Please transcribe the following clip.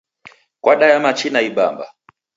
Kwadaya machi na ibamba?